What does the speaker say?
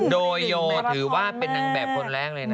โดยโยถือว่าเป็นนางแบบคนแรกเลยนะ